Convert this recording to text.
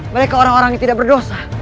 mereka orang orang yang tidak berdosa